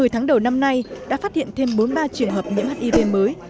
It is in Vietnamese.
một mươi tháng đầu năm nay đã phát hiện thêm bốn mươi ba trường hợp nhiễm hiv mới